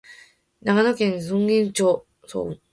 長野県泰阜村